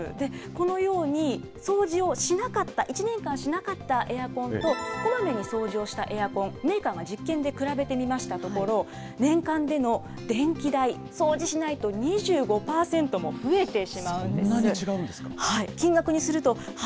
このように、掃除をしなかった、１年間しなかったエアコンと、こまめに掃除をしたエアコン、メーカーが実験で比べてみましたところ、年間での電気代、掃除しないと２５％も増えてしまうんです。